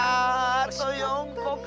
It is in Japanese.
あと４こか。